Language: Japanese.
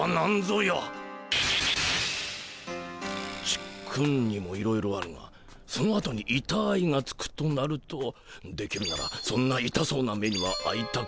ちっくんにもいろいろあるがそのあとに「いたーい」がつくとなるとできるならそんないたそうな目にはあいたくない。